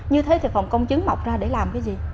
như thế thì phòng công chứng mọc ra để làm cái gì